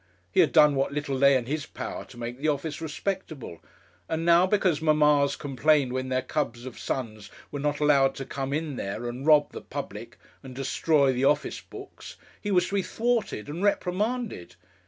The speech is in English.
He had done what little lay in his power to make the office respectable; and now, because mammas complained when their cubs of sons were not allowed to come in there and rob the public and destroy the office books, he was to be thwarted and reprimanded!